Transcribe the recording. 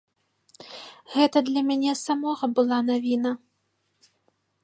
Гэта для мяне самога была навіна.